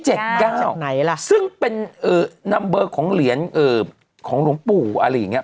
ไหนล่ะซึ่งเป็นนำเบอร์ของเหรียญของหลวงปู่อะไรอย่างเงี้